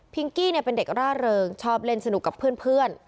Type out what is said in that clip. กี้เป็นเด็กร่าเริงชอบเล่นสนุกกับเพื่อน